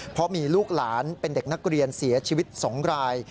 เพราะมีลูกหลานเป็นเด็กนักเรียนเสียชีวิต๒ราย